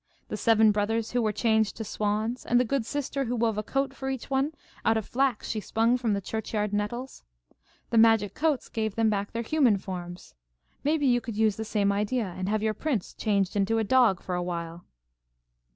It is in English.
"The seven brothers who were changed to swans, and the good sister who wove a coat for each one out of flax she spun from the churchyard nettles? The magic coats gave them back their human forms. Maybe you can use the same idea, and have your prince changed into a dog for awhile."